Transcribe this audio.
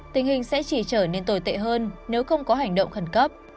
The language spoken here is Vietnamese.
tình hình sẽ chỉ trở nên tồi tệ hơn nếu không có hành động khẩn cấp